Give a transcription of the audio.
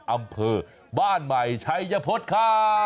อำเภอบ้านใหม่ชัยพฤษค่ะ